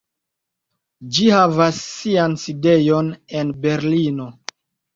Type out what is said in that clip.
Ĝi havas sian sidejon en Berlino.